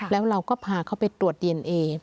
แล้วเราก็พาเขาไปตรวจดีเอนเอ